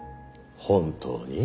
本当に？